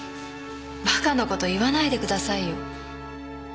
馬鹿な事言わないでくださいよ。